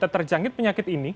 sudah terjangkit penyakit ini